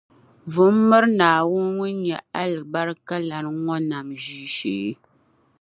vu m-miri Naawuni ŋun nyɛ alibarikalana ŋɔ nam ʒiishee.